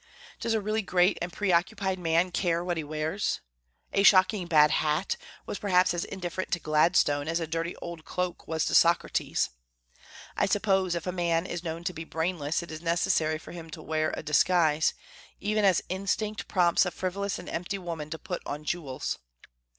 Does a really great and preoccupied man care what he wears? "A shocking bad hat" was perhaps as indifferent to Gladstone as a dirty old cloak was to Socrates. I suppose if a man is known to be brainless, it is necessary for him to wear a disguise, even as instinct prompts a frivolous and empty woman to put on jewels.